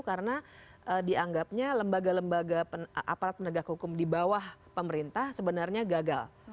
karena dianggapnya lembaga lembaga aparat penegak hukum di bawah pemerintah sebenarnya gagal